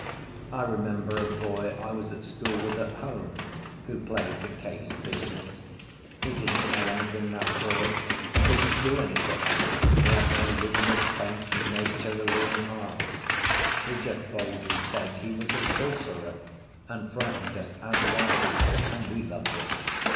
I remember a boy I was at school with at home who played the Case business. He didn't know anything, that boy; he couldn't do anything; he had no luminous paint and no Tyrolean harps; he just boldly said he was a sorcerer, and frightened us out of our boots, and we loved it.